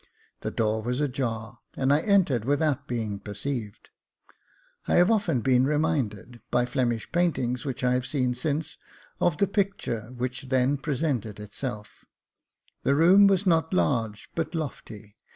The door was ajar, and I entered without being perceived. Jacob Faithful 287 I have often been reminded, by Flemish paintings which I have seen since, of the picture which then presented itself. The room was not large, but lofty.